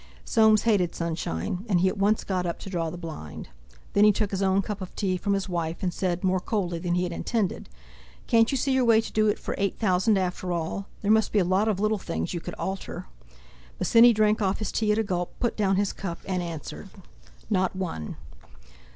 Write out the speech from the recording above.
Soames hated sunshine, and he at once got up, to draw the blind. Then he took his own cup of tea from his wife, and said, more coldly than he had intended: "Can't you see your way to do it for eight thousand after all? There must be a lot of little things you could alter." Bosinney drank off his tea at a gulp, put down his cup, and answered: "Not one!"